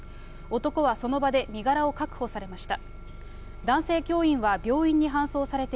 男はその場で身柄を確保されました。